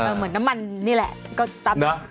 เหมือนน้ำมันนี่แหละก็ตับเนอะ